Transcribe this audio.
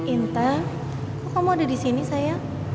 intan kok kamu ada disini sayang